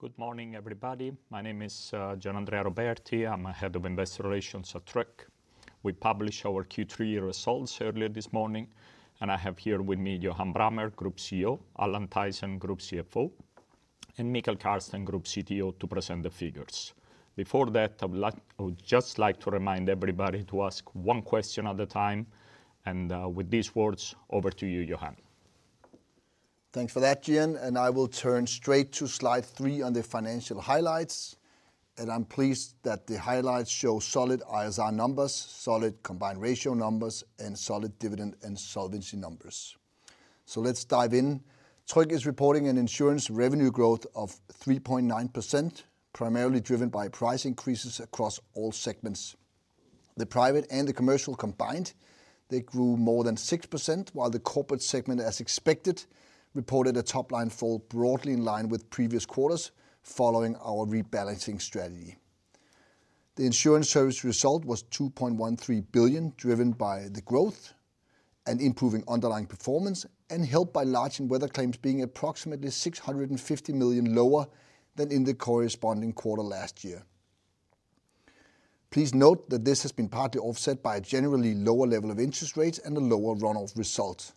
Good morning, everybody. My name is Gianandrea Roberti. I'm head of investor relations at Tryg. We published our Q3 results earlier this morning, and I have here with me Johan Brammer, Group CEO, Allan Thaysen, Group CFO, and Mikael Kärrsten, Group CTO, to present the figures. Before that, I would just like to remind everybody to ask one question at a time, and with these words, over to you, Johan. Thanks for that, Gian, and I will turn straight to slide three on the financial highlights. And I'm pleased that the highlights show solid ISR numbers, solid combined ratio numbers, and solid dividend and solvency numbers. So let's dive in. Tryg is reporting an insurance revenue growth of 3.9%, primarily driven by price increases across all segments. The private and the commercial combined, they grew more than 6%, while the corporate segment, as expected, reported a top-line fall broadly in line with previous quarters, following our rebalancing strategy. The insurance service result was 2.13 billion, driven by the growth and improving underlying performance, and helped by large and weather claims being approximately 650 million lower than in the corresponding quarter last year. Please note that this has been partly offset by a generally lower level of interest rates and a lower runoff result.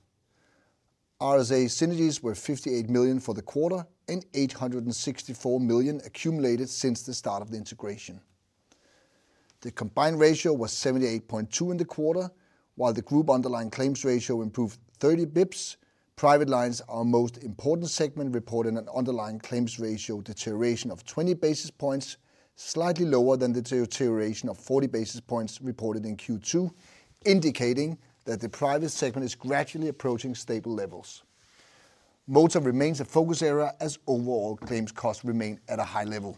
RSA synergies were 58 million for the quarter and 864 million accumulated since the start of the integration. The combined ratio was 78.2 in the quarter, while the group underlying claims ratio improved 30 basis points. Private lines, our most important segment, reported an underlying claims ratio deterioration of 20 basis points, slightly lower than the deterioration of 40 basis points reported in Q2, indicating that the private segment is gradually approaching stable levels. Motor remains a focus area as overall claims costs remain at a high level.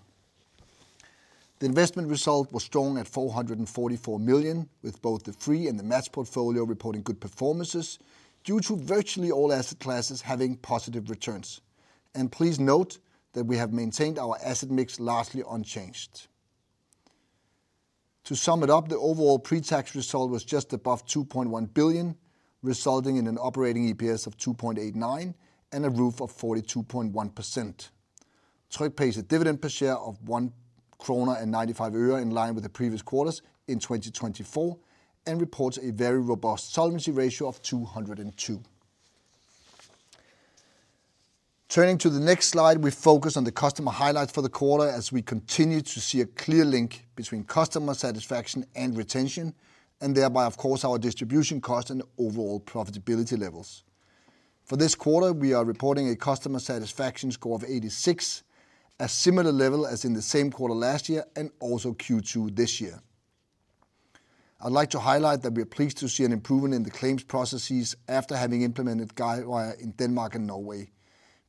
The investment result was strong at 444 million, with both the free and the matched portfolio reporting good performances due to virtually all asset classes having positive returns, and please note that we have maintained our asset mix largely unchanged. To sum it up, the overall pre-tax result was just above 2.1 billion, resulting in an operating EPS of 2.89 and a ROE of 42.1%. Tryg pays a dividend per share of 1.95 kroner in line with the previous quarters in 2024 and reports a very robust solvency ratio of 202%. Turning to the next slide, we focus on the customer highlights for the quarter as we continue to see a clear link between customer satisfaction and retention, and thereby, of course, our distribution cost and overall profitability levels. For this quarter, we are reporting a customer satisfaction score of 86, a similar level as in the same quarter last year and also Q2 this year. I'd like to highlight that we are pleased to see an improvement in the claims processes after having implemented Guidewire in Denmark and Norway.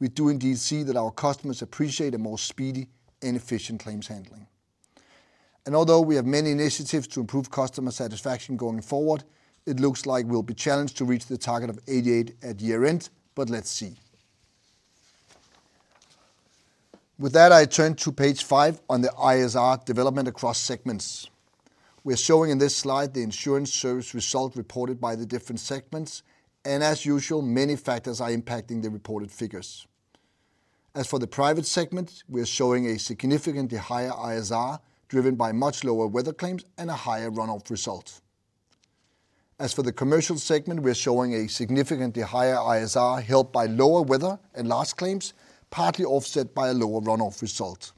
We do indeed see that our customers appreciate a more speedy and efficient claims handling, and although we have many initiatives to improve customer satisfaction going forward, it looks like we'll be challenged to reach the target of 88 at year-end, but let's see. With that, I turn to page five on the ISR development across segments. We're showing in this slide the insurance service result reported by the different segments, and as usual, many factors are impacting the reported figures. As for the private segment, we're showing a significantly higher ISR driven by much lower weather claims and a higher runoff result. As for the commercial segment, we're showing a significantly higher ISR helped by lower weather and large claims, partly offset by a lower runoff result.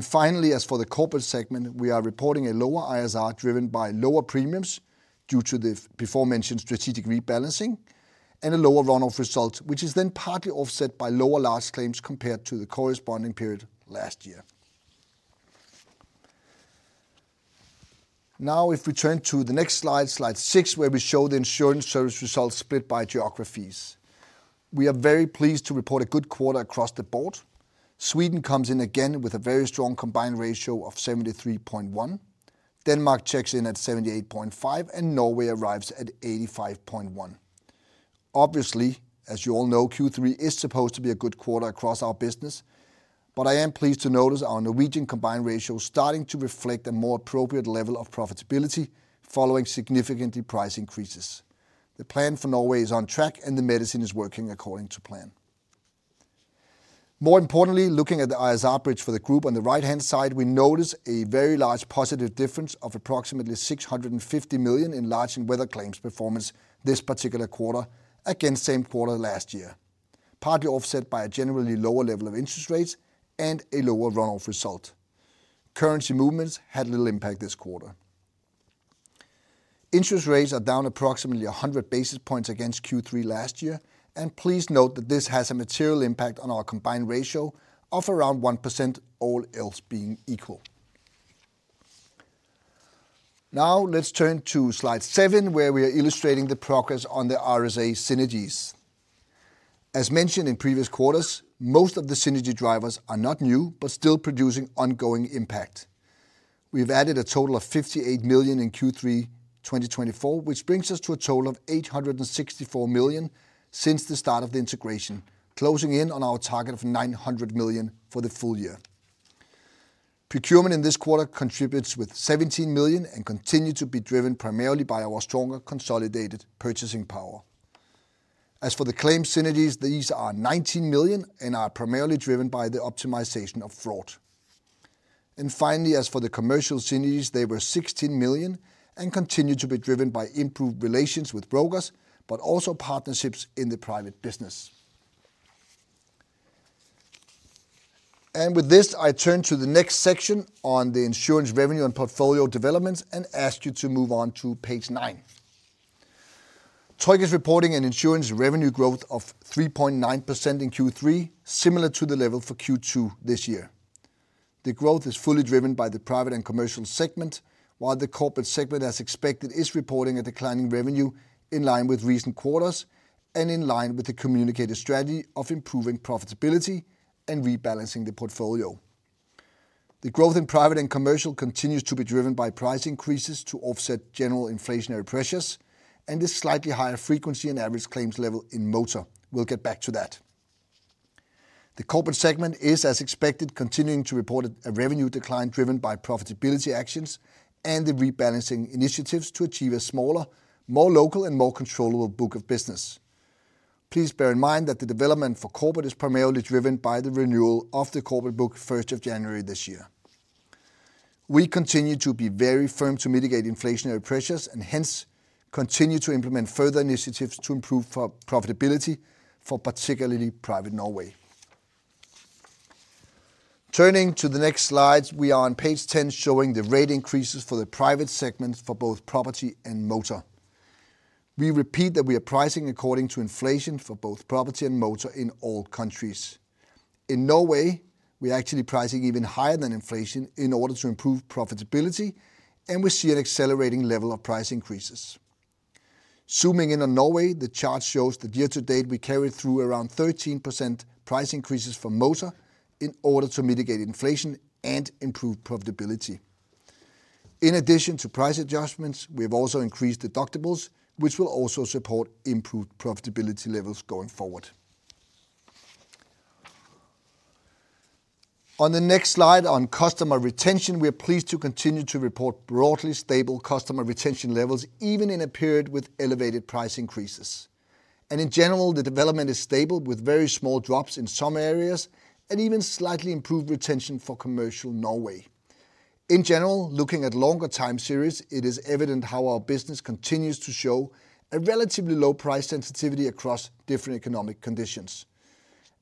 Finally, as for the corporate segment, we are reporting a lower ISR driven by lower premiums due to the before-mentioned strategic rebalancing and a lower runoff result, which is then partly offset by lower large claims compared to the corresponding period last year. Now, if we turn to the next slide, slide six, where we show the insurance service results split by geographies. We are very pleased to report a good quarter across the board. Sweden comes in again with a very strong combined ratio of 73.1. Denmark checks in at 78.5, and Norway arrives at 85.1. Obviously, as you all know, Q3 is supposed to be a good quarter across our business, but I am pleased to notice our Norwegian combined ratio starting to reflect a more appropriate level of profitability following significant price increases. The plan for Norway is on track, and the medicine is working according to plan. More importantly, looking at the ISR bridge for the group on the right-hand side, we notice a very large positive difference of approximately 650 million in large and weather claims performance this particular quarter against same quarter last year, partly offset by a generally lower level of interest rates and a lower runoff result. Currency movements had little impact this quarter. Interest rates are down approximately 100 basis points against Q3 last year, and please note that this has a material impact on our combined ratio of around 1%, all else being equal. Now, let's turn to slide seven, where we are illustrating the progress on the RSA synergies. As mentioned in previous quarters, most of the synergy drivers are not new but still producing ongoing impact. We've added a total of 58 million in Q3 2024, which brings us to a total of 864 million since the start of the integration, closing in on our target of 900 million for the full year. Procurement in this quarter contributes with 17 million and continues to be driven primarily by our stronger consolidated purchasing power. As for the claim synergies, these are 19 million and are primarily driven by the optimization of fraud. And finally, as for the commercial synergies, they were 16 million and continue to be driven by improved relations with brokers but also partnerships in the private business. And with this, I turn to the next section on the insurance revenue and portfolio developments and ask you to move on to page nine. Tryg is reporting an insurance revenue growth of 3.9% in Q3, similar to the level for Q2 this year. The growth is fully driven by the private and commercial segment, while the corporate segment, as expected, is reporting a declining revenue in line with recent quarters and in line with the communicated strategy of improving profitability and rebalancing the portfolio. The growth in private and commercial continues to be driven by price increases to offset general inflationary pressures and this slightly higher frequency and average claims level in motor. We'll get back to that. The corporate segment is, as expected, continuing to report a revenue decline driven by profitability actions and the rebalancing initiatives to achieve a smaller, more local, and more controllable book of business. Please bear in mind that the development for corporate is primarily driven by the renewal of the corporate book 1st of January this year. We continue to be very firm to mitigate inflationary pressures and hence continue to implement further initiatives to improve profitability for particularly private Norway. Turning to the next slides, we are on page ten showing the rate increases for the private segment for both property and motor. We repeat that we are pricing according to inflation for both property and motor in all countries. In Norway, we are actually pricing even higher than inflation in order to improve profitability, and we see an accelerating level of price increases. Zooming in on Norway, the chart shows that year to date we carried through around 13% price increases for motor in order to mitigate inflation and improve profitability. In addition to price adjustments, we have also increased deductibles, which will also support improved profitability levels going forward. On the next slide on customer retention, we are pleased to continue to report broadly stable customer retention levels even in a period with elevated price increases. And in general, the development is stable with very small drops in some areas and even slightly improved retention for commercial Norway. In general, looking at longer time series, it is evident how our business continues to show a relatively low price sensitivity across different economic conditions.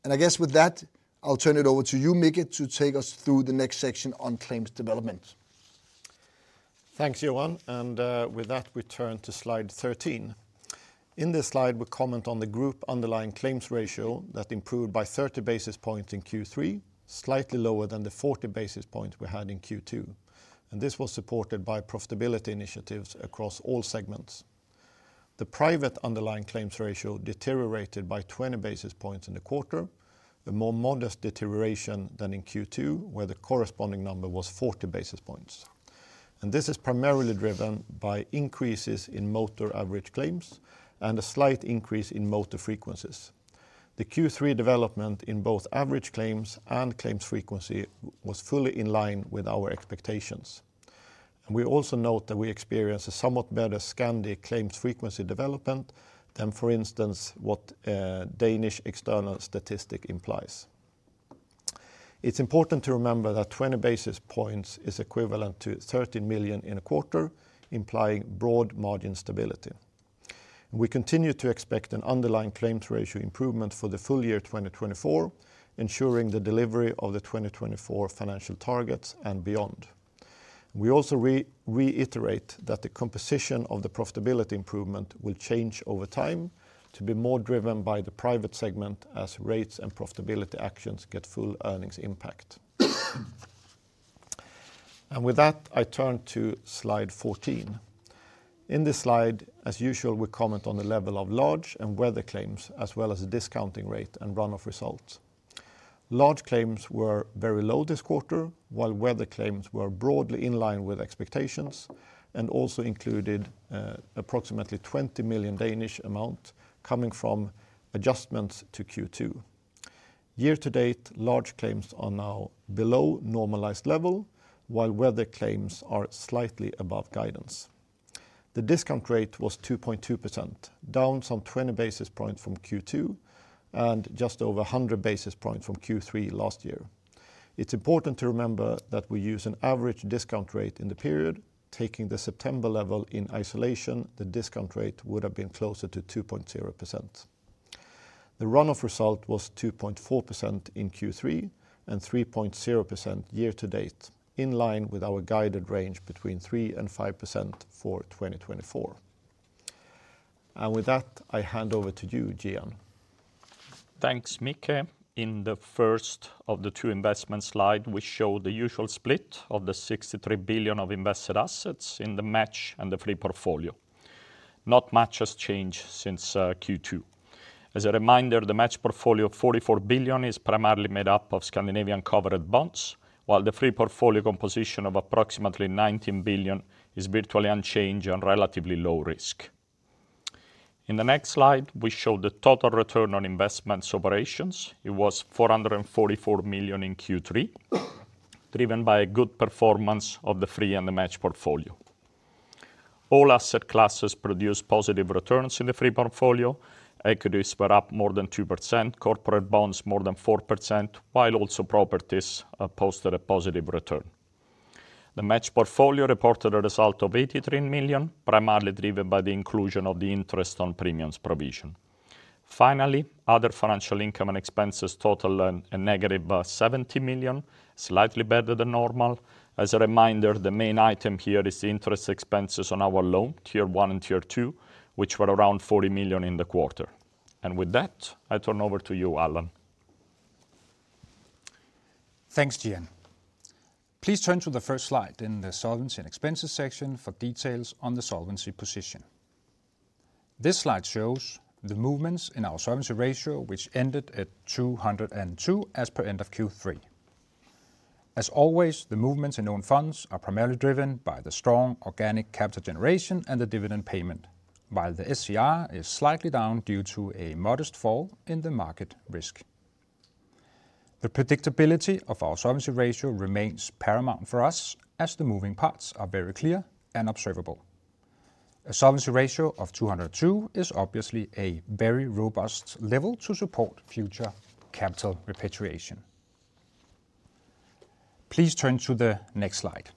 And I guess with that, I'll turn it over to you, Mikael, to take us through the next section on claims development. Thanks, Johan. And, with that, we turn to slide 13. In this slide, we comment on the group underlying claims ratio that improved by 30 basis points in Q3, slightly lower than the 40 basis points we had in Q2. And this was supported by profitability initiatives across all segments. The private underlying claims ratio deteriorated by 20 basis points in the quarter, a more modest deterioration than in Q2, where the corresponding number was 40 basis points. And this is primarily driven by increases in motor average claims and a slight increase in motor frequencies. The Q3 development in both average claims and claims frequency was fully in line with our expectations. And we also note that we experience a somewhat better Scandinavian claims frequency development than, for instance, what Danish external statistics imply. It's important to remember that 20 basis points is equivalent to 13 million in a quarter, implying broad margin stability. We continue to expect an underlying claims ratio improvement for the full year 2024, ensuring the delivery of the 2024 financial targets and beyond. We also re-reiterate that the composition of the profitability improvement will change over time to be more driven by the private segment as rates and profitability actions get full earnings impact, and with that, I turn to slide 14. In this slide, as usual, we comment on the level of large and weather claims, as well as the discounting rate and runoff results. Large claims were very low this quarter, while weather claims were broadly in line with expectations and also included approximately 20 million coming from adjustments to Q2. Year to date, large claims are now below normalized level, while weather claims are slightly above guidance. The discount rate was 2.2%, down some 20 basis points from Q2 and just over 100 basis points from Q3 last year. It's important to remember that we use an average discount rate in the period. Taking the September level in isolation, the discount rate would have been closer to 2.0%. The runoff result was 2.4% in Q3 and 3.0% year to date, in line with our guided range between 3% and 5% for 2024, and with that, I hand over to you, Gian. Thanks, Mikael. In the first of the two investment slides, we show the usual split of the 63 billion of invested assets in the match and the free portfolio. Not much has changed since Q2. As a reminder, the match portfolio of 44 billion is primarily made up of Scandinavian covered bonds, while the free portfolio composition of approximately 19 billion is virtually unchanged and relatively low risk. In the next slide, we show the total return on investment operations. It was 444 million in Q3, driven by a good performance of the free and the match portfolio. All asset classes produced positive returns in the free portfolio. Equities were up more than 2%, corporate bonds more than 4%, while also properties posted a positive return. The match portfolio reported a result of 83 million, primarily driven by the inclusion of the interest on premiums provision. Finally, other financial income and expenses totaled -70 million, slightly better than normal. As a reminder, the main item here is the interest expenses on our loan, tier one and tier two, which were around 40 million in the quarter. And with that, I turn over to you, Allan. Thanks, Gian. Please turn to the first slide in the solvency and expenses section for details on the solvency position. This slide shows the movements in our solvency ratio, which ended at 202% as per end of Q3. As always, the movements in own funds are primarily driven by the strong organic capital generation and the dividend payment, while the SCR is slightly down due to a modest fall in the market risk. The predictability of our solvency ratio remains paramount for us as the moving parts are very clear and observable. A solvency ratio of 202 is obviously a very robust level to support future capital repatriation. Please turn to the next slide.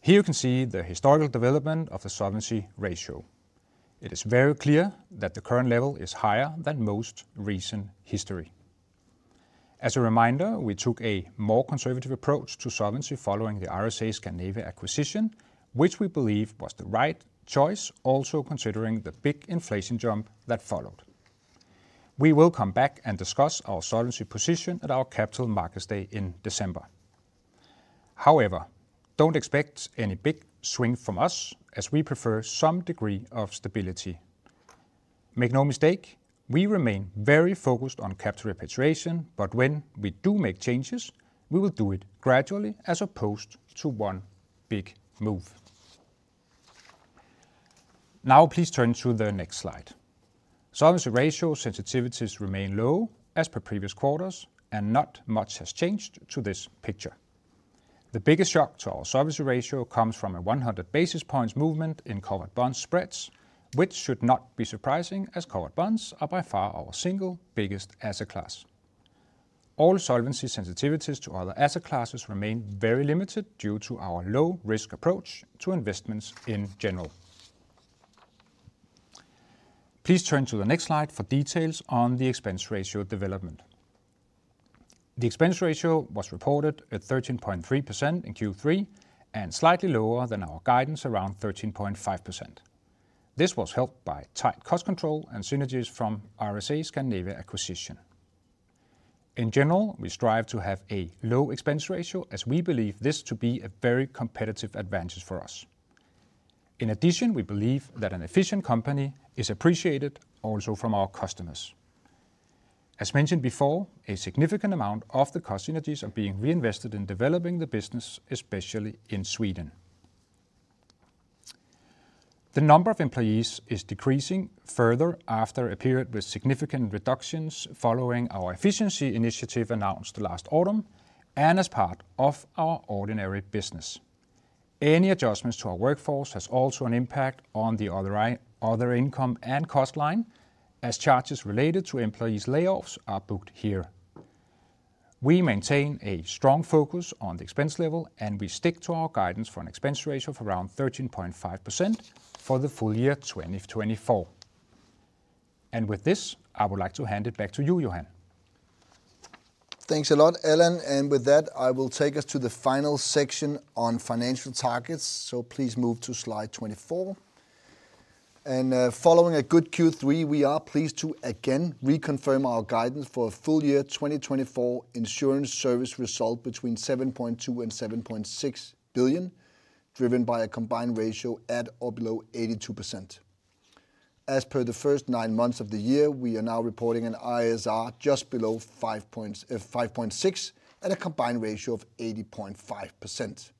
Here you can see the historical development of the solvency ratio. It is very clear that the current level is higher than most recent history. As a reminder, we took a more conservative approach to solvency following the RSA Scandinavia acquisition, which we believe was the right choice, also considering the big inflation jump that followed. We will come back and discuss our solvency position at our Capital Markets Day in December. However, don't expect any big swing from us, as we prefer some degree of stability. Make no mistake, we remain very focused on capital repatriation, but when we do make changes, we will do it gradually as opposed to one big move. Now, please turn to the next slide. Solvency ratio sensitivities remain low as per previous quarters, and not much has changed to this picture. The biggest shock to our solvency ratio comes from a 100 basis points movement in covered bond spreads, which should not be surprising as covered bonds are by far our single biggest asset class. All solvency sensitivities to other asset classes remain very limited due to our low risk approach to investments in general. Please turn to the next slide for details on the expense ratio development. The expense ratio was reported at 13.3% in Q3 and slightly lower than our guidance around 13.5%. This was helped by tight cost control and synergies from RSA Scandinavia acquisition. In general, we strive to have a low expense ratio as we believe this to be a very competitive advantage for us. In addition, we believe that an efficient company is appreciated also from our customers. As mentioned before, a significant amount of the cost synergies are being reinvested in developing the business, especially in Sweden. The number of employees is decreasing further after a period with significant reductions following our efficiency initiative announced last autumn and as part of our ordinary business. Any adjustments to our workforce have also an impact on the other income and cost line as charges related to employees' layoffs are booked here. We maintain a strong focus on the expense level, and we stick to our guidance for an expense ratio of around 13.5% for the full year 2024. And with this, I would like to hand it back to you, Johan. Thanks a lot, Allan. And with that, I will take us to the final section on financial targets. So please move to slide 24. And, following a good Q3, we are pleased to again reconfirm our guidance for a full year 2024 insurance service result between 7.2 billion and 7.6 billion, driven by a combined ratio at or below 82%. As per the first nine months of the year, we are now reporting an ISR just below 5.6 billion at a combined ratio of 80.5%.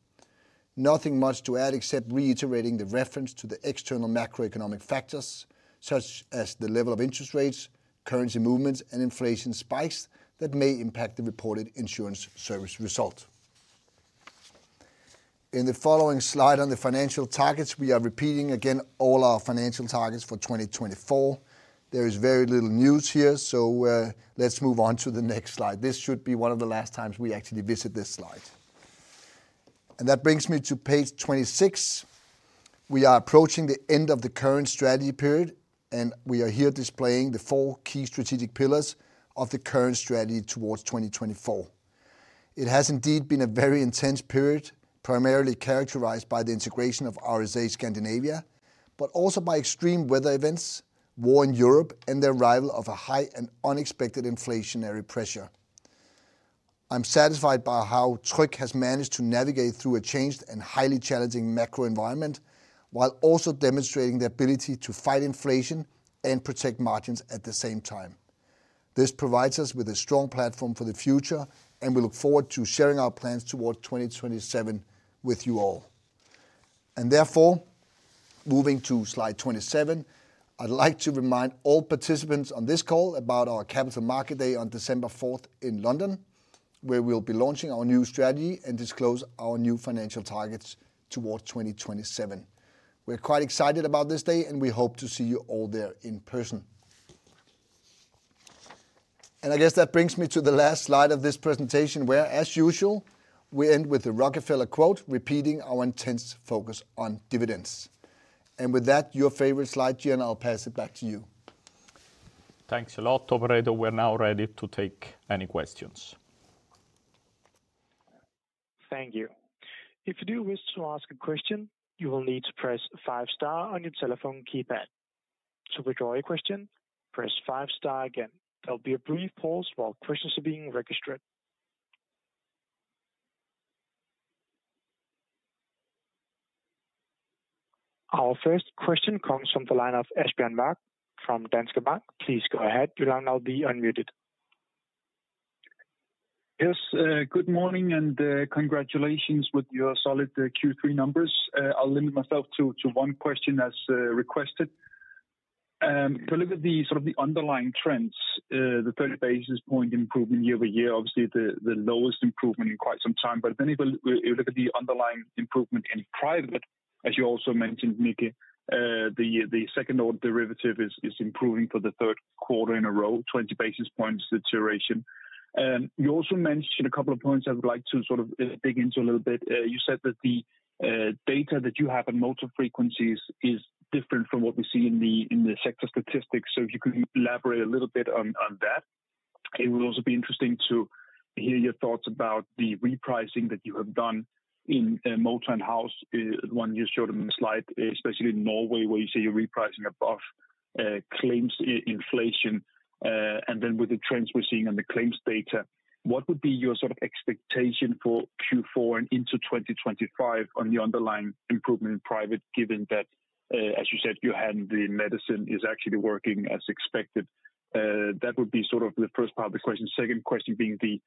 Nothing much to add except reiterating the reference to the external macroeconomic factors such as the level of interest rates, currency movements, and inflation spikes that may impact the reported insurance service result. In the following slide on the financial targets, we are repeating again all our financial targets for 2024. There is very little news here, so, let's move on to the next slide. This should be one of the last times we actually visit this slide. And that brings me to page 26. We are approaching the end of the current strategy period, and we are here displaying the four key strategic pillars of the current strategy towards 2024. It has indeed been a very intense period, primarily characterized by the integration of RSA Scandinavia, but also by extreme weather events, war in Europe, and the arrival of a high and unexpected inflationary pressure. I'm satisfied by how Tryg has managed to navigate through a changed and highly challenging macro environment while also demonstrating the ability to fight inflation and protect margins at the same time. This provides us with a strong platform for the future, and we look forward to sharing our plans toward 2027 with you all, and therefore, moving to slide 27, I'd like to remind all participants on this call about our Capital Market Day on December 4th in London, where we'll be launching our new strategy and disclose our new financial targets toward 2027. We're quite excited about this day, and we hope to see you all there in person, and I guess that brings me to the last slide of this presentation, where, as usual, we end with a Rockefeller quote repeating our intense focus on dividends. With that, your favorite slide, Gian, I'll pass it back to you. Thanks a lot. Tobo, we're now ready to take any questions. Thank you. If you do wish to ask a question, you will need to press five star on your telephone keypad. To withdraw your question, press five star again. There'll be a brief pause while questions are being registered. Our first question comes from the line of Asbjørn Mørk from Danske Bank. Please go ahead. You'll now be unmuted. Yes, good morning and congratulations with your solid Q3 numbers. I'll limit myself to one question as requested, to look at the sort of the underlying trends, the 30 basis point improvement year-over-year, obviously the lowest improvement in quite some time. But then if you look at the underlying improvement in private, as you also mentioned, Mikael, the second-order derivative is improving for the third quarter in a row, 20 basis points deterioration. And you also mentioned a couple of points I would like to sort of dig into a little bit. You said that the data that you have on motor frequencies is different from what we see in the sector statistics. So if you could elaborate a little bit on that, it would also be interesting to hear your thoughts about the repricing that you have done in motor and house, the one you showed on the slide, especially in Norway, where you see your repricing above claims inflation. And then with the trends we're seeing on the claims data, what would be your sort of expectation for Q4 and into 2025 on the underlying improvement in private, given that, as you said, you had the medicine is actually working as expected? That would be sort of the first part of the question. Second question being the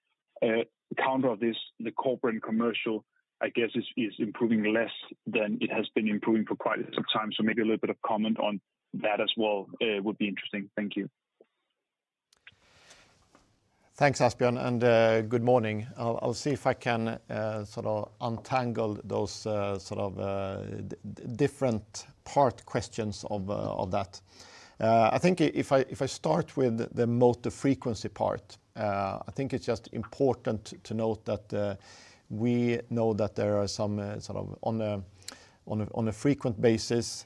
counter of this, the corporate and commercial, I guess, is improving less than it has been improving for quite some time. So maybe a little bit of comment on that as well would be interesting. Thank you. Thanks, Asbjørn, and good morning. I'll see if I can sort of untangle those sort of different part questions of that. I think if I start with the motor frequency part, I think it's just important to note that we know that there are some sort of on a frequent basis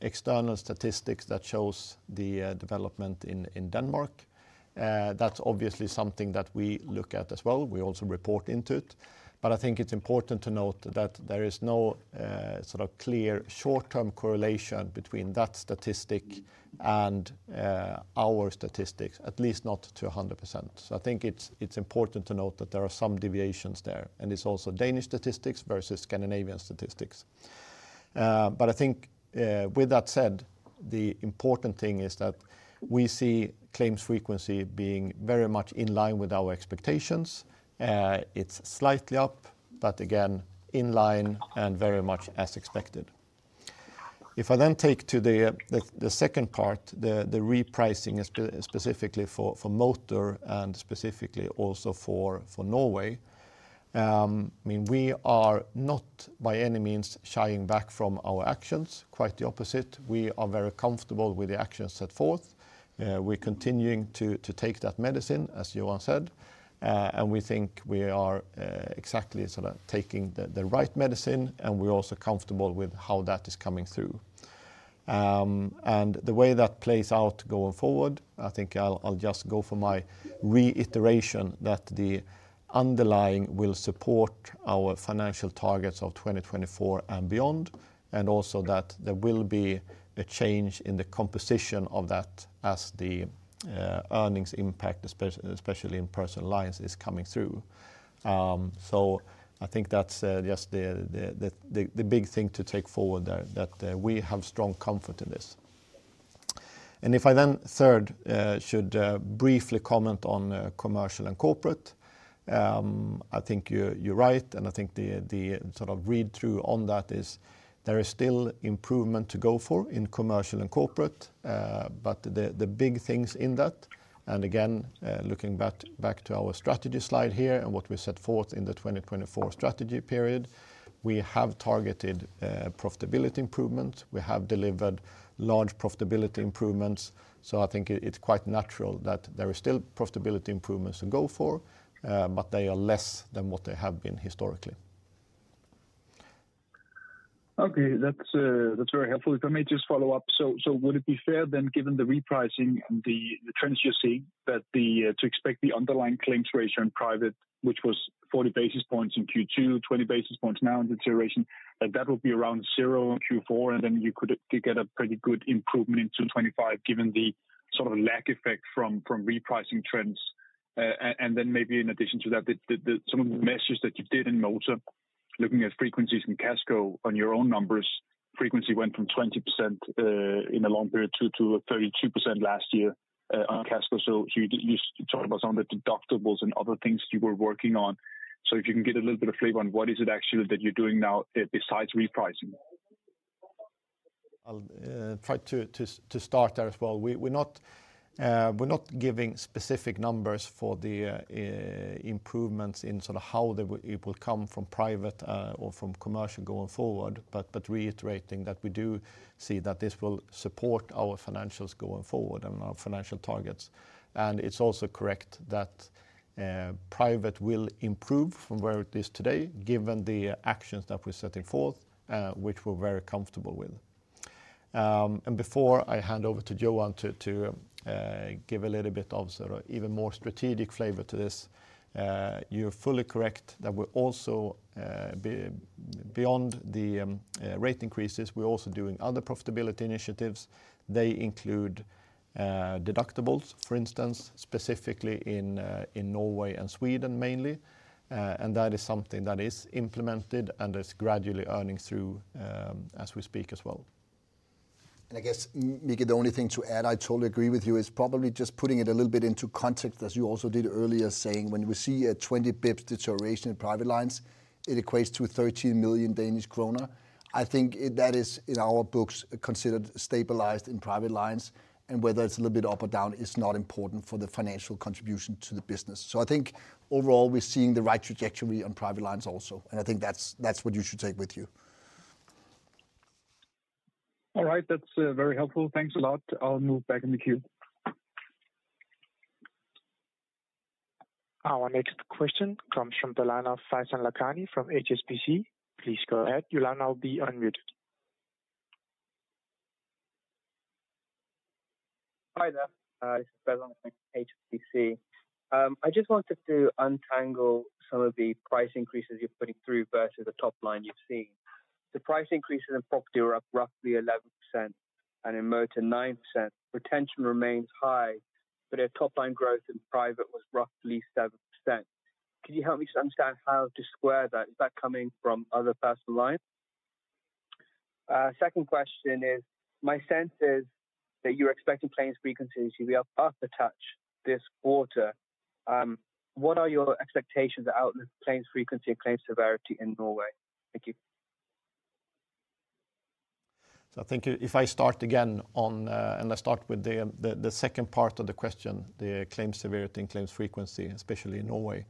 external statistics that show the development in Denmark. That's obviously something that we look at as well. We also report into it. But I think it's important to note that there is no sort of clear short-term correlation between that statistic and our statistics, at least not to 100%. So I think it's important to note that there are some deviations there, and it's also Danish statistics versus Scandinavian statistics. But I think, with that said, the important thing is that we see claims frequency being very much in line with our expectations. It's slightly up, but again, in line and very much as expected. If I then take to the second part, the repricing specifically for motor and specifically also for Norway, I mean, we are not by any means shying back from our actions. Quite the opposite. We are very comfortable with the actions set forth. We're continuing to take that medicine, as Johan said, and we think we are exactly sort of taking the right medicine, and we're also comfortable with how that is coming through. And the way that plays out going forward, I think I'll just go for my reiteration that the underlying will support our financial targets of 2024 and beyond, and also that there will be a change in the composition of that as the earnings impact, especially in personal lines, is coming through. So I think that's just the big thing to take forward there, that we have strong comfort in this. And if I then, third, should briefly comment on commercial and corporate, I think you're right, and I think the sort of read-through on that is there is still improvement to go for in commercial and corporate, but the big things in that. And again, looking back to our strategy slide here and what we set forth in the 2024 strategy period, we have targeted profitability improvements. We have delivered large profitability improvements, so I think it's quite natural that there are still profitability improvements to go for, but they are less than what they have been historically. Okay, that's very helpful. If I may just follow up, so would it be fair then, given the repricing and the trends you're seeing, to expect the underlying claims ratio in private, which was 40 basis points in Q2, 20 basis points now in deterioration, that would be around zero in Q4, and then you could get a pretty good improvement into 25 given the sort of lag effect from repricing trends, and then maybe in addition to that, some of the measures that you did in motor, looking at frequencies and Casco on your own numbers, frequency went from 20% in a long period to 32% last year, on Casco. So you talked about some of the deductibles and other things you were working on. So if you can get a little bit of flavor on what is it actually that you're doing now besides repricing? I'll try to start there as well. We're not giving specific numbers for the improvements in sort of how it will come from private or from commercial going forward, but reiterating that we do see that this will support our financials going forward and our financial targets. It's also correct that private will improve from where it is today, given the actions that we're setting forth, which we're very comfortable with. Before I hand over to Johan to give a little bit of sort of even more strategic flavor to this, you're fully correct that we're also beyond the rate increases. We're also doing other profitability initiatives. They include deductibles, for instance, specifically in Norway and Sweden mainly. That is something that is implemented and is gradually earning through, as we speak as well. I guess, Mika, the only thing to add, I totally agree with you, is probably just putting it a little bit into context, as you also did earlier, saying when we see a 20 basis points deterioration in private lines, it equates to 13 million Danish kroner. I think that is in our books considered stabilized in private lines, and whether it's a little bit up or down is not important for the financial contribution to the business. So I think overall we're seeing the right trajectory on private lines also, and I think that's, that's what you should take with you. All right, that's very helpful. Thanks a lot. I'll move back in the queue. Our next question comes from the line of Faizan Lakhani from HSBC. Please go ahead. You'll now be unmuted. Hi there. This is Faizan from HSBC. I just wanted to untangle some of the price increases you're putting through versus the top line you've seen. The price increases in property were up roughly 11% and in motor 9%. Retention remains high, but our top line growth in private was roughly 7%. Could you help me to understand how to square that? Is that coming from other personal lines? Second question is, my sense is that you're expecting claims frequency to be up a touch this quarter. What are your expectations out of claims frequency and claims severity in Norway? Thank you. I think if I start again, and I start with the second part of the question, the claim severity and claims frequency, especially in Norway.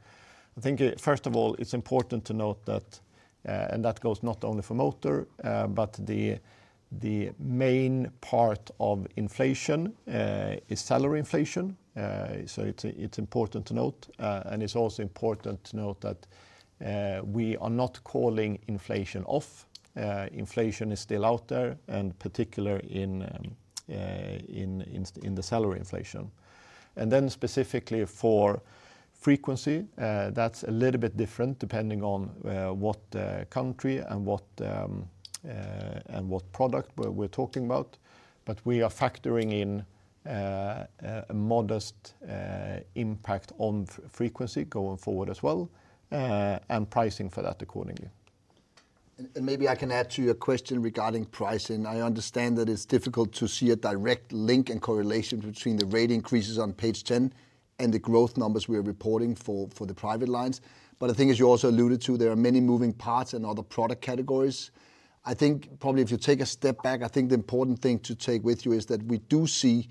I think first of all, it's important to note that, and that goes not only for motor, but the main part of inflation is salary inflation. So it's important to note, and it's also important to note that we are not calling inflation off. Inflation is still out there, and particularly in the salary inflation. Then specifically for frequency, that's a little bit different depending on what country and what product we're talking about. But we are factoring in a modest impact on frequency going forward as well, and pricing for that accordingly. And maybe I can add to your question regarding pricing. I understand that it's difficult to see a direct link and correlation between the rate increases on page 10 and the growth numbers we are reporting for the private lines. But I think, as you also alluded to, there are many moving parts and other product categories. I think probably if you take a step back, I think the important thing to take with you is that we do see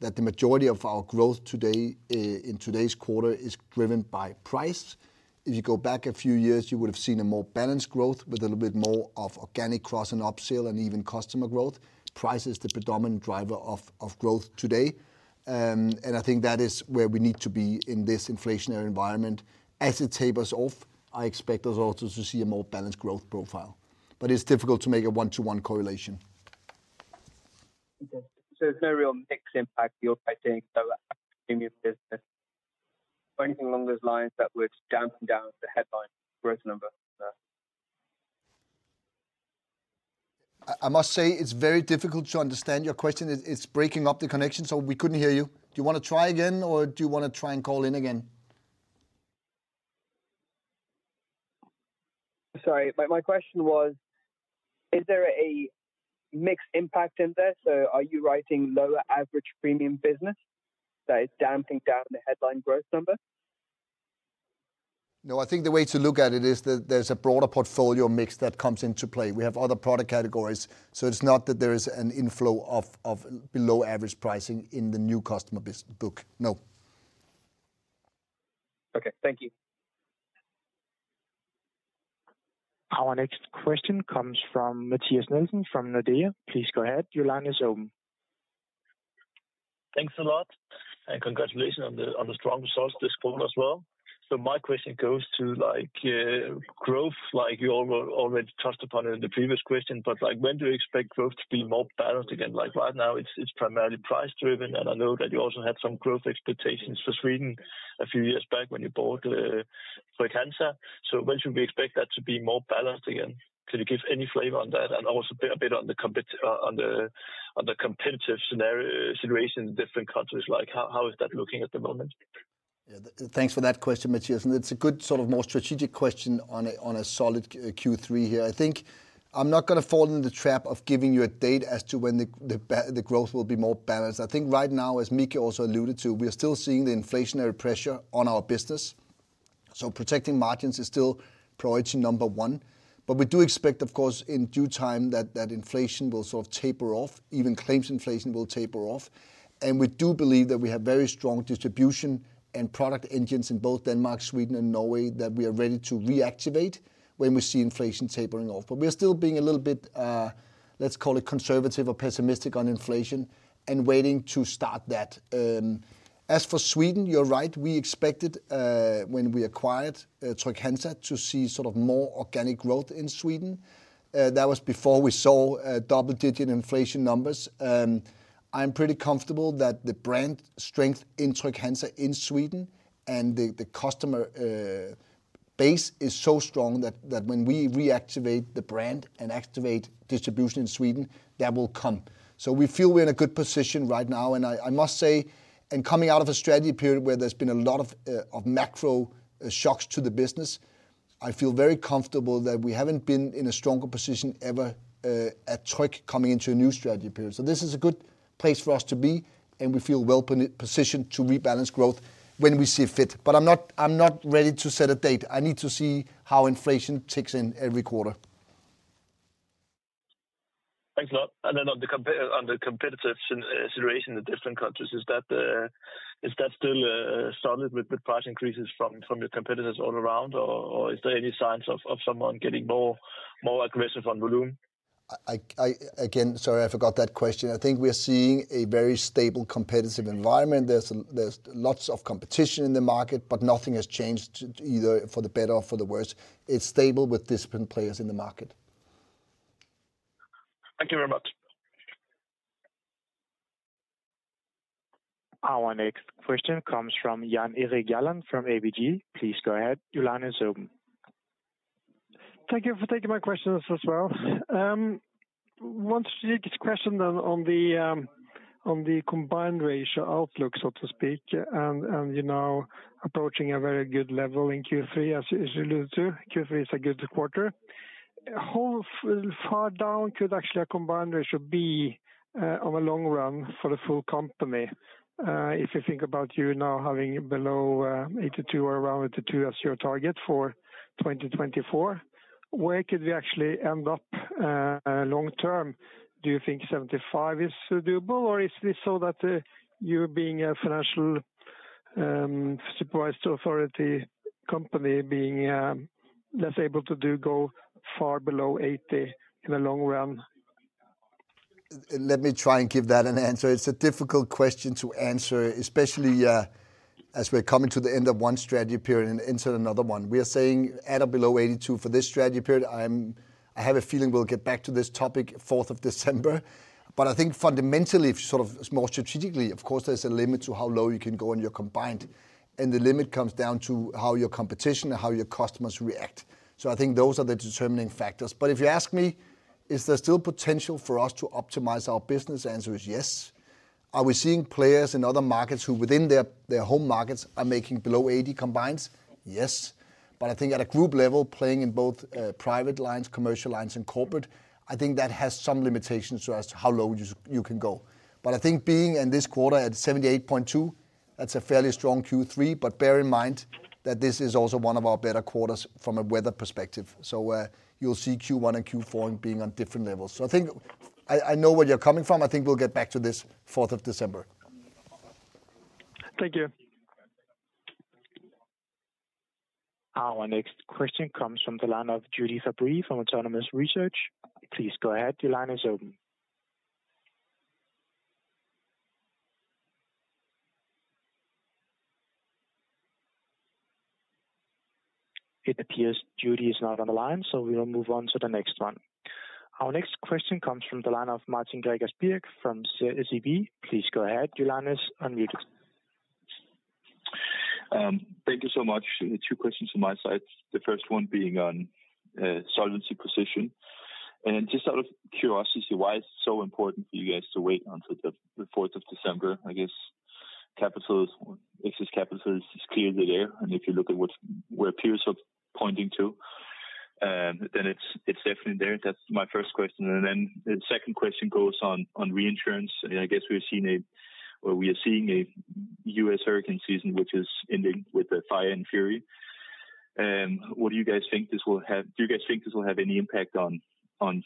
that the majority of our growth today, in today's quarter is driven by price. If you go back a few years, you would have seen a more balanced growth with a little bit more of organic cross and upsale and even customer growth. Price is the predominant driver of growth today. And I think that is where we need to be in this inflationary environment. As it tapers off, I expect us also to see a more balanced growth profile, but it's difficult to make a one-to-one correlation. Okay. So it's very real mixed impact you're facing as a premium business. Or anything along those lines that would dampen down the headline growth number? I must say it's very difficult to understand your question. It's breaking up the connection, so we couldn't hear you. Do you want to try again, or do you want to try and call in again? Sorry, my question was, is there a mixed impact in there? So are you writing lower average premium business that is damping down the headline growth number? No, I think the way to look at it is that there's a broader portfolio mix that comes into play. We have other product categories, so it's not that there is an inflow of below average pricing in the new customer books. No. Okay, thank you. Our next question comes from Mathias Nielsen from Nordea. Please go ahead. Your line is open. Thanks a lot, and congratulations on the strong results this quarter as well. So my question goes to, like, growth, like you all already touched upon it in the previous question, but like, when do you expect growth to be more balanced again? Like right now, it's primarily price-driven, and I know that you also had some growth expectations for Sweden a few years back when you bought Hansa. So when should we expect that to be more balanced again? Could you give any flavor on that and also a bit on the competitive scenario situation in different countries? Like, how is that looking at the moment? Yeah, thanks for that question, Mathias. It's a good sort of more strategic question on a solid Q3 here. I think I'm not going to fall into the trap of giving you a date as to when the growth will be more balanced. I think right now, as Mika also alluded to, we are still seeing the inflationary pressure on our business. So protecting margins is still priority number one. We do expect, of course, in due time that inflation will sort of taper off, even claims inflation will taper off. We do believe that we have very strong distribution and product engines in both Denmark, Sweden, and Norway that we are ready to reactivate when we see inflation tapering off. We're still being a little bit, let's call it conservative or pessimistic on inflation and waiting to start that. As for Sweden, you're right. We expected, when we acquired Hansa, to see sort of more organic growth in Sweden. That was before we saw double-digit inflation numbers. I'm pretty comfortable that the brand strength in Hansa in Sweden and the customer base is so strong that when we reactivate the brand and activate distribution in Sweden, that will come. So we feel we're in a good position right now. And I must say, coming out of a strategy period where there's been a lot of macro shocks to the business, I feel very comfortable that we haven't been in a stronger position ever at Tryg coming into a new strategy period. So this is a good place for us to be, and we feel well positioned to rebalance growth when we see fit. But I'm not ready to set a date. I need to see how inflation ticks in every quarter. Thanks a lot. And then on the competitor, on the competitive situation in the different countries, is that still solid with price increases from your competitors all around, or is there any signs of someone getting more aggressive on volume? Again, sorry, I forgot that question. I think we are seeing a very stable competitive environment. There's lots of competition in the market, but nothing has changed either for the better or for the worse. It's stable with disciplined players in the market. Thank you very much. Our next question comes from Jan Erik Gjerland from ABG. Please go ahead. Your line is open. Thank you for taking my questions as well. One strategic question then on the combined ratio outlook, so to speak, and you know, approaching a very good level in Q3, as you alluded to. Q3 is a good quarter. How far down could actually a combined ratio be, on the long run for the full company? If you think about you now having below 82 or around 82 as your target for 2024, where could we actually end up, long term? Do you think 75 is doable, or is this so that you being a financial supervised authority company being less able to go far below 80 in the long run? Let me try and give that an answer. It's a difficult question to answer, especially, as we're coming to the end of one strategy period and into another one. We are saying at or below 82 for this strategy period. I'm, I have a feeling we'll get back to this topic 4th of December. But I think fundamentally, sort of more strategically, of course, there's a limit to how low you can go in your combined, and the limit comes down to how your competition and how your customers react. So I think those are the determining factors. But if you ask me, is there still potential for us to optimize our business? The answer is yes. Are we seeing players in other markets who within their home markets are making below 80 combined? Yes. But I think at a group level, playing in both private lines, commercial lines, and corporate, I think that has some limitations as to how low you can go. But I think being in this quarter at 78.2, that's a fairly strong Q3, but bear in mind that this is also one of our better quarters from a weather perspective. So you'll see Q1 and Q4 being on different levels. So I think I know where you're coming from. I think we'll get back to this 4th of December. Thank you. Our next question comes from the line of Youdish Chicooree from Autonomous Research. Please go ahead. Your line is open. It appears Judy is not on the line, so we will move on to the next one. Our next question comes from the line of Martin Gregers Birk from SEB. Please go ahead. Your line is unmuted. Thank you so much. Two questions from my side. The first one being on solvency position. And just out of curiosity, why is it so important for you guys to wait until the 4th of December? I guess capital is, excess capital is clearly there, and if you look at what, where peers are pointing to, then it's, it's definitely there. That's my first question. And then the second question goes on, on reinsurance. And I guess we're seeing a, or we are seeing a U.S. hurricane season, which is ending with the fire and fury. What do you guys think this will have? Do you guys think this will have any impact on, on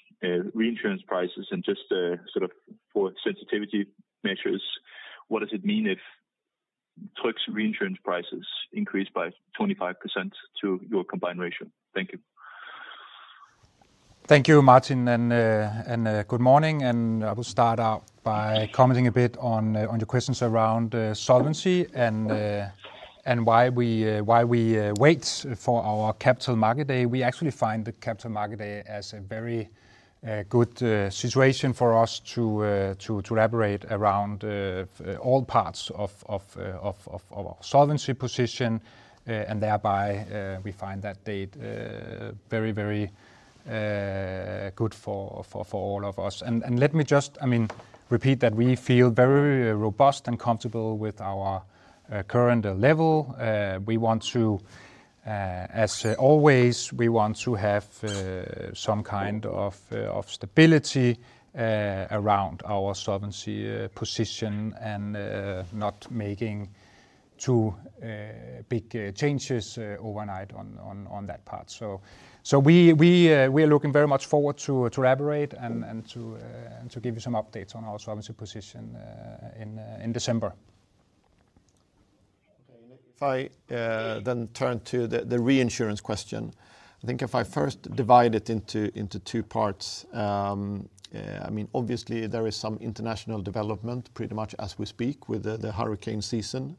reinsurance prices? And just, sort of for sensitivity measures, what does it mean if Tryg's reinsurance prices increase by 25% to your combined ratio? Thank you. Thank you, Martin. Good morning. I will start out by commenting a bit on your questions around solvency and why we wait for our Capital Markets Day. We actually find the Capital Markets Day as a very good situation for us to elaborate around all parts of our solvency position, and thereby we find that date very good for all of us. Let me just, I mean, repeat that we feel very robust and comfortable with our current level. We want to, as always, have some kind of stability around our solvency position and not making too big changes overnight on that part. So we are looking very much forward to elaborate and to give you some updates on our solvency position in December. Okay. If I then turn to the reinsurance question, I think if I first divide it into two parts. I mean, obviously there is some international development pretty much as we speak with the hurricane season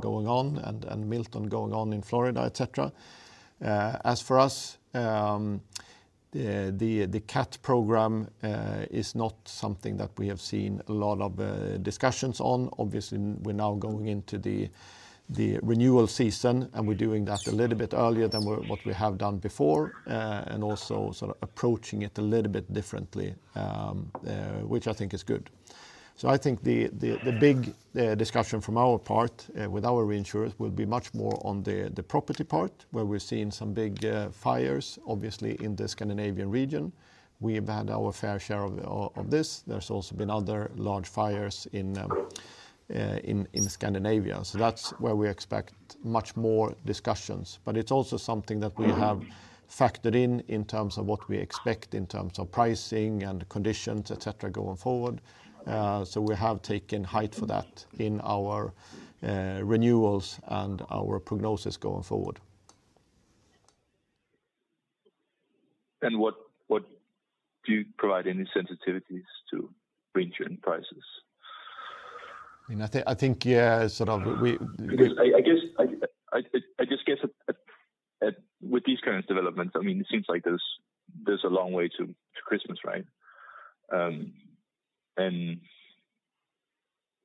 going on and Milton going on in Florida, et cetera. As for us, the CAT program is not something that we have seen a lot of discussions on. Obviously, we're now going into the renewal season, and we're doing that a little bit earlier than what we have done before, and also sort of approaching it a little bit differently, which I think is good. So I think the big discussion from our part, with our reinsurers will be much more on the property part where we've seen some big fires, obviously in the Scandinavian region. We've had our fair share of this. There's also been other large fires in Scandinavia. So that's where we expect much more discussions. But it's also something that we have factored in, in terms of what we expect in terms of pricing and conditions, etc, going forward. So we have taken heed for that in our renewals and our prognosis going forward. What do you provide any sensitivities to reinsurance prices? I mean, I think sort of we. I guess that with these current developments, I mean, it seems like there's a long way to Christmas, right? and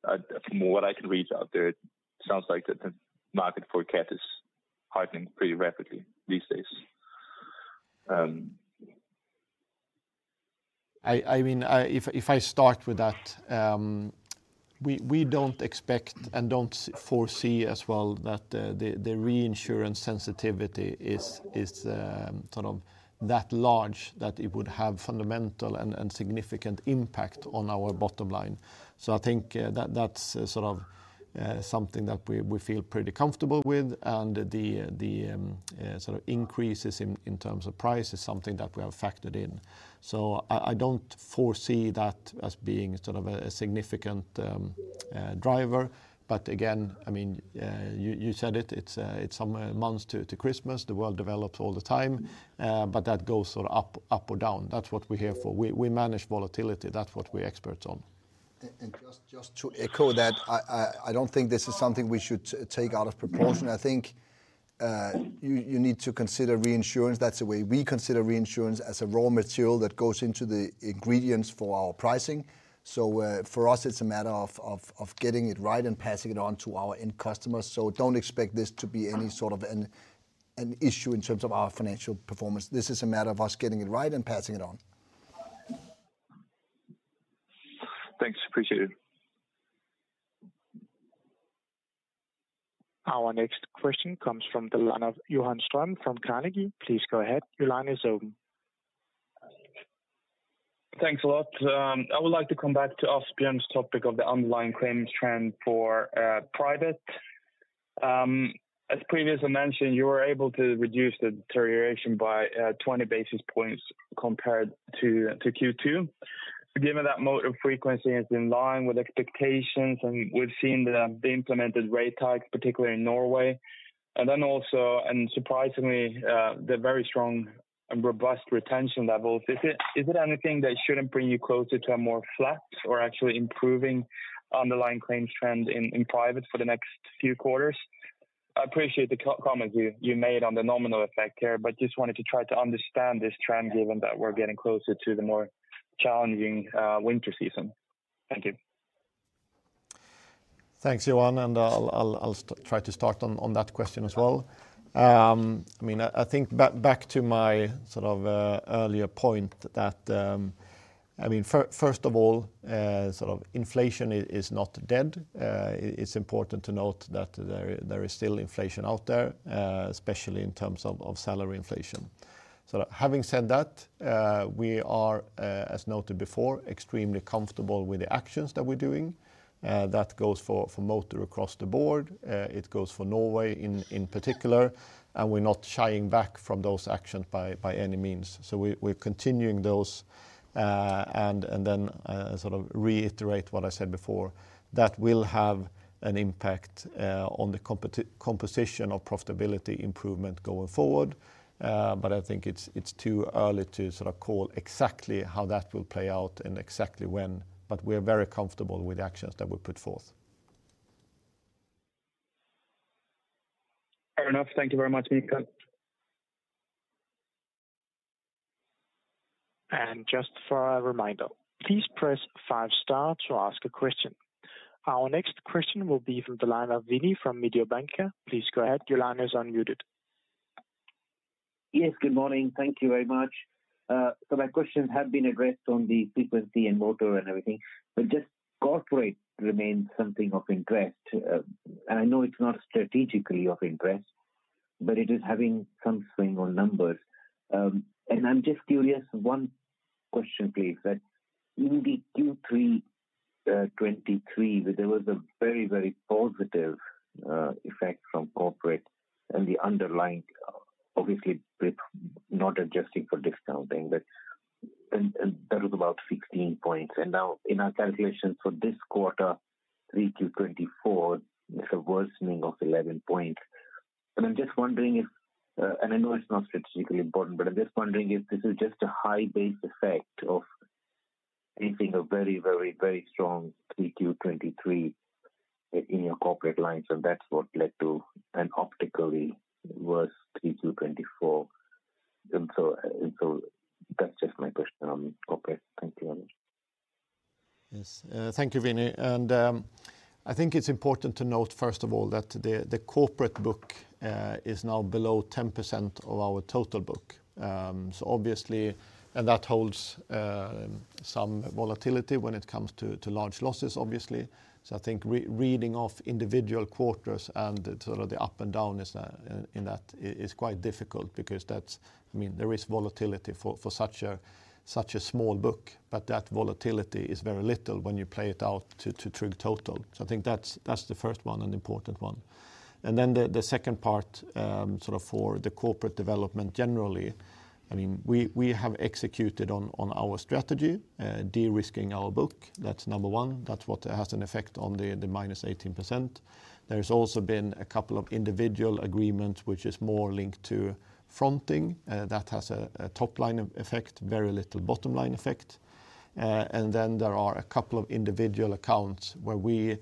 from what I can read out there, it sounds like the market for CAT is hardening pretty rapidly these days. I mean, if I start with that, we don't expect and don't foresee as well that the reinsurance sensitivity is sort of that large that it would have fundamental and significant impact on our bottom line, so I think that's sort of something that we feel pretty comfortable with, and the sort of increases in terms of price is something that we have factored in, so I don't foresee that as being sort of a significant driver, but again, I mean, you said it, it's some months to Christmas. The world develops all the time, but that goes sort of up or down. That's what we're here for. We manage volatility. That's what we're experts on. Just to echo that, I don't think this is something we should take out of proportion. I think you need to consider reinsurance. That's the way we consider reinsurance as a raw material that goes into the ingredients for our pricing. So, for us, it's a matter of getting it right and passing it on to our end customers. So don't expect this to be any sort of an issue in terms of our financial performance. This is a matter of us getting it right and passing it on. Thanks. Appreciate it. Our next question comes from the line of Johan Ström from Carnegie. Please go ahead. Your line is open. Thanks a lot. I would like to come back to Asbjørn's topic of the underlying claims trend for private, as previously mentioned, you were able to reduce the deterioration by 20 basis points compared to Q2. Given that motor frequency is in line with expectations and we've seen the implemented rate hikes, particularly in Norway, and then also surprisingly, the very strong and robust retention levels, is it anything that shouldn't bring you closer to a more flat or actually improving underlying claims trend in private for the next few quarters? I appreciate the comments you made on the nominal effect here, but just wanted to try to understand this trend given that we're getting closer to the more challenging winter season. Thank you. Thanks, Johan. And I'll try to start on that question as well. I mean, I think back to my sort of earlier point that, I mean, first of all, sort of inflation is not dead. It's important to note that there is still inflation out there, especially in terms of salary inflation. So having said that, we are, as noted before, extremely comfortable with the actions that we're doing. That goes for motor across the board. It goes for Norway in particular, and we're not shying back from those actions by any means. So we're continuing those, and then, sort of reiterate what I said before, that will have an impact on the composition of profitability improvement going forward. but I think it's too early to sort of call exactly how that will play out and exactly when, but we are very comfortable with the actions that we put forth. Fair enough. Thank you very much, Mikeal. And just for a reminder, please press five star to ask a question. Our next question will be from the line of Vinit from Mediobanca. Please go ahead. Your line is unmuted. Yes. Good morning. Thank you very much. So my questions have been addressed on the frequency and motor and everything, but just corporate remains something of interest, and I know it's not strategically of interest, but it is having some swing on numbers, and I'm just curious. One question, please. In the Q3 2023, there was a very, very positive effect from corporate and the underlying, obviously not adjusting for discounting, but and that was about 16 points. Now in our calculations for this quarter, 3Q 2024, it's a worsening of 11 points. I'm just wondering if, and I know it's not strategically important, but I'm just wondering if this is just a high base effect of anything of very, very, very strong 3Q 2023 in your corporate lines, and that's what led to an optically worse 3Q 2024. So that's just my question on corporate. Thank you very much. Yes. Thank you, Vinit. And, I think it's important to note, first of all, that the corporate book is now below 10% of our total book. So obviously, and that holds some volatility when it comes to large losses, obviously. So I think regarding individual quarters and sort of the up and down, in that, is quite difficult because that's, I mean, there is volatility for such a small book, but that volatility is very little when you play it out to Tryg total. So I think that's the first one and important one. And then the second part, sort of for the corporate development generally, I mean, we have executed on our strategy, de-risking our book. That's number one. That's what has an effect on the minus 18%. There's also been a couple of individual agreements, which is more linked to fronting that has a top line effect, very little bottom line effect. And then there are a couple of individual accounts where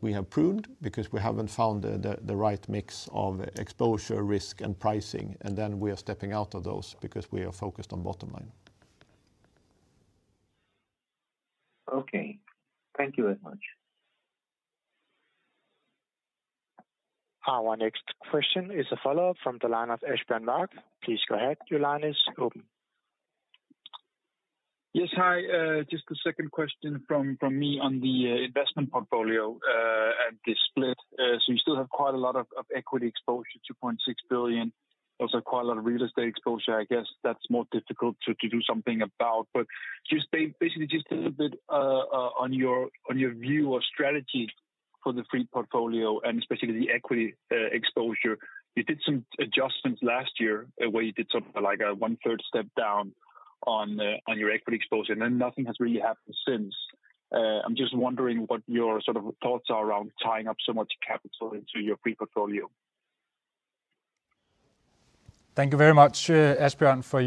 we have pruned because we haven't found the right mix of exposure, risk, and pricing. And then we are stepping out of those because we are focused on bottom line. Okay. Thank you very much. Our next question is a follow-up from the line of Asbjørn Mørk. Please go ahead. Your line is open. Yes. Hi. Just a second question from me on the investment portfolio and the split, so you still have quite a lot of equity exposure, 2.6 billion. Also, quite a lot of real estate exposure. I guess that's more difficult to do something about. But just basically just a little bit on your view or strategy for the free portfolio and especially the equity exposure. You did some adjustments last year where you did something like a 1/3 step down on your equity exposure, and then nothing has really happened since. I'm just wondering what your sort of thoughts are around tying up so much capital into your free portfolio. Thank you very much, Asbjørn, for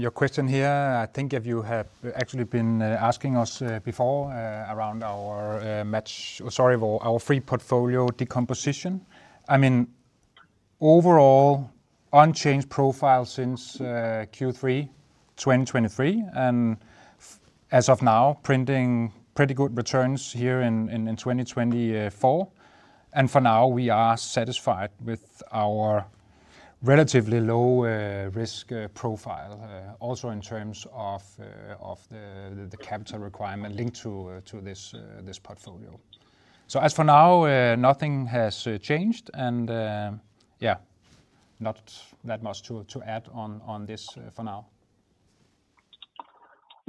your question here. I think if you have actually been asking us before around our match or sorry our free portfolio decomposition. I mean, overall unchanged profile since Q3 2023, and as of now, printing pretty good returns here in 2024. For now, we are satisfied with our relatively low risk profile, also in terms of the capital requirement linked to this portfolio. As for now, nothing has changed, and yeah, not that much to add on this for now.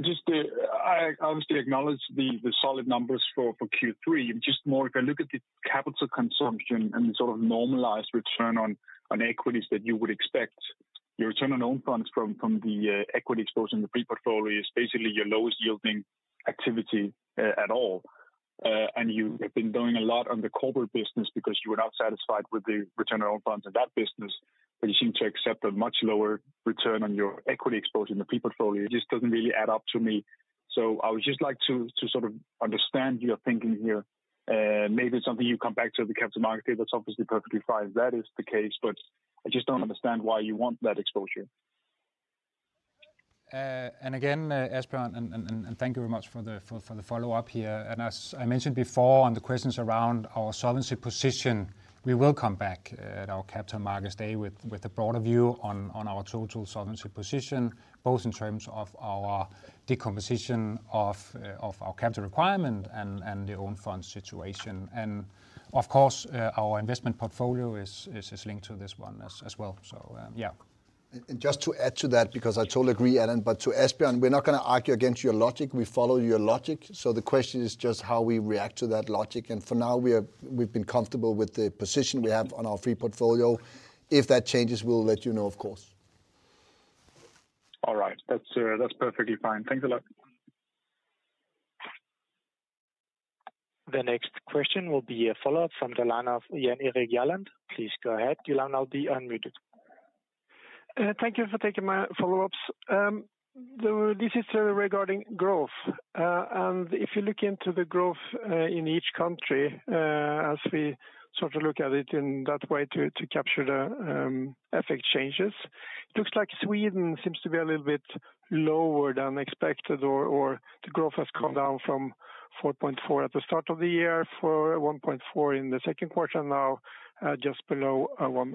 Just, I obviously acknowledge the solid numbers for Q3. Just more if I look at the capital consumption and the sort of normalized return on equities that you would expect, your return on own funds from the equity exposure in the free portfolio is basically your lowest yielding activity at all, and you have been doing a lot on the corporate business because you were not satisfied with the return on own funds in that business, but you seem to accept a much lower return on your equity exposure in the free portfolio. It just doesn't really add up to me. So I would just like to sort of understand your thinking here. Maybe it's something you come back to at the Capital Markets Day. That's obviously perfectly fine. That is the case, but I just don't understand why you want that exposure. And again, Asbjørn, thank you very much for the follow-up here. As I mentioned before on the questions around our solvency position, we will come back at our Capital Markets Day with a broader view on our total solvency position, both in terms of our decomposition of our capital requirement and the own funds situation. Of course, our investment portfolio is linked to this one as well. Yeah. Just to add to that, because I totally agree, Allan, but to Asbjørn, we're not going to argue against your logic. We follow your logic. So the question is just how we react to that logic. And for now, we are, we've been comfortable with the position we have on our free portfolio. If that changes, we'll let you know, of course. All right. That's, that's perfectly fine. Thanks a lot. The next question will be a follow-up from the line of Jan Erik Gjerland. Please go ahead. You'll now be unmuted. Thank you for taking my follow-ups. This is regarding growth. And if you look into the growth in each country, as we sort of look at it in that way to capture the effect changes, it looks like Sweden seems to be a little bit lower than expected, or the growth has come down from 4.4% at the start of the year to 1.4% in the second quarter, now just below 1%.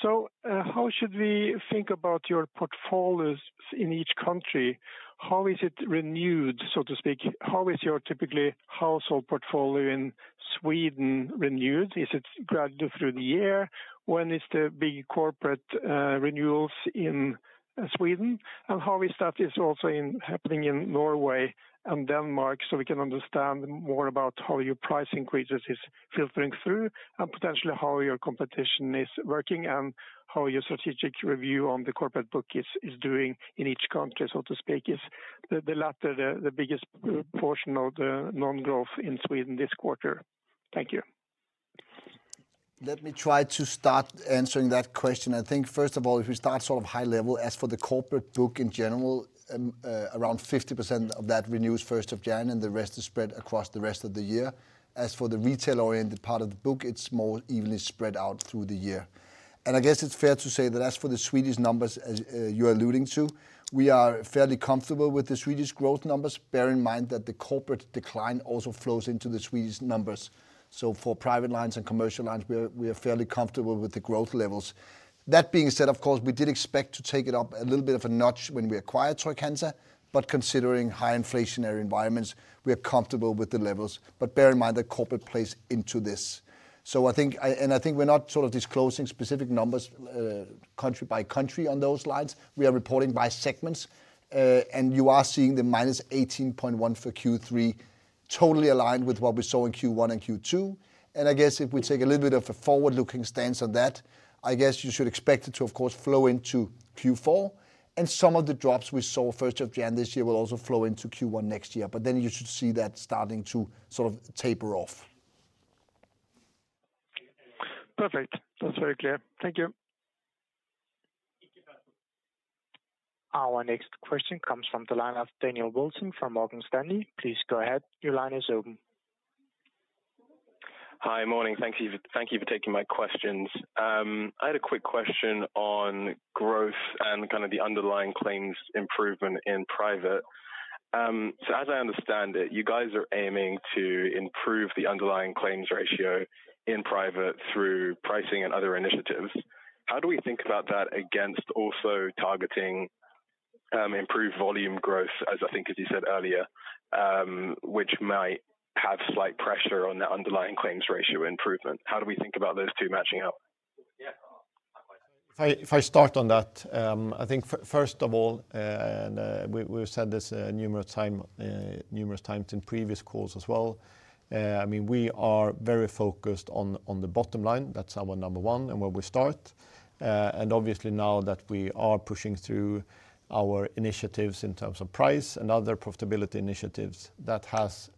So, how should we think about your portfolios in each country? How is it renewed, so to speak? How is your typical household portfolio in Sweden renewed? Is it gradually through the year? When is the big corporate renewals in Sweden? And how is that also happening in Norway and Denmark? So we can understand more about how your price increases is filtering through and potentially how your competition is working and how your strategic review on the corporate book is doing in each country, so to speak. Is the latter the biggest portion of the non-growth in Sweden this quarter? Thank you. Let me try to start answering that question. I think, first of all, if we start sort of high level, as for the corporate book in general, around 50% of that renews 1st of January, and the rest is spread across the rest of the year. As for the retail-oriented part of the book, it's more evenly spread out through the year. I guess it's fair to say that as for the Swedish numbers, as you're alluding to, we are fairly comfortable with the Swedish growth numbers. Bear in mind that the corporate decline also flows into the Swedish numbers. So for private lines and commercial lines, we are fairly comfortable with the growth levels. That being said, of course, we did expect to take it up a little bit of a notch when we acquired Trygg-Hansa, but considering high inflationary environments, we are comfortable with the levels. But bear in mind that corporate plays into this. So I think, and I think we're not sort of disclosing specific numbers, country by country on those lines. We are reporting by segments, and you are seeing the minus 18.1% for Q3 totally aligned with what we saw in Q1 and Q2. And I guess if we take a little bit of a forward-looking stance on that, I guess you should expect it to, of course, flow into Q4. And some of the drops we saw 1st of January this year will also flow into Q1 next year, but then you should see that starting to sort of taper off. Perfect. That's very clear. Thank you. Our next question comes from the line of Daniel Bolton from Morgan Stanley. Please go ahead. Your line is open. Hi, morning. Thank you for, thank you for taking my questions. I had a quick question on growth and kind of the underlying claims improvement in private. So as I understand it, you guys are aiming to improve the underlying claims ratio in private through pricing and other initiatives. How do we think about that against also targeting, improved volume growth, as I think, as you said earlier, which might have slight pressure on that underlying claims ratio improvement? How do we think about those two matching up? Yeah. If I start on that, I think first of all, we've said this numerous times in previous calls as well. I mean, we are very focused on the bottom line. That's our number one and where we start, and obviously now that we are pushing through our initiatives in terms of price and other profitability initiatives, that has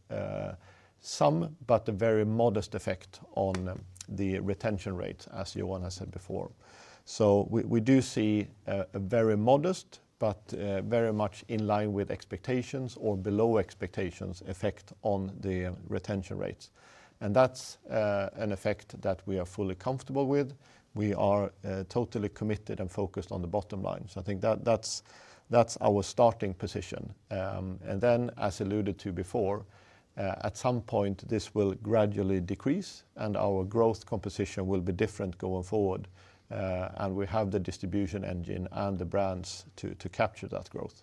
some but a very modest effect on the retention rate, as Johan has said before, so we do see a very modest but very much in line with expectations or below expectations effect on the retention rates, and that's an effect that we are fully comfortable with. We are totally committed and focused on the bottom line, so I think that's our starting position. And then, as alluded to before, at some point, this will gradually decrease, and our growth composition will be different going forward. We have the distribution engine and the brands to capture that growth.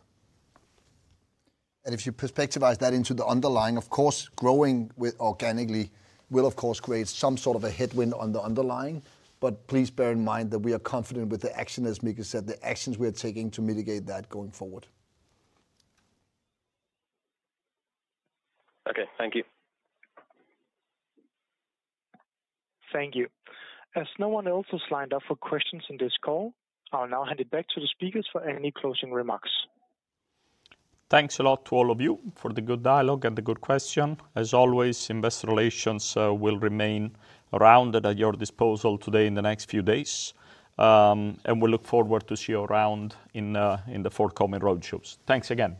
And if you perspectivize that into the underlying, of course, growing organically will, of course, create some sort of a headwind on the underlying. But please bear in mind that we are confident with the action, as Mika said, the actions we are taking to mitigate that going forward. Okay. Thank you. Thank you. As no one else has lined up for questions in this call, I'll now hand it back to the speakers for any closing remarks. Thanks a lot to all of you for the good dialogue and the good question. As always, Investor Relations will remain around and at your disposal today, in the next few days, and we look forward to see you around in the forthcoming road shows. Thanks again.